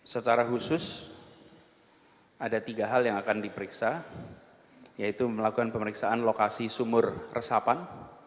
secara khusus ada tiga hal yang akan diperiksa yaitu melakukan pemeriksaan lokasi sumur resapan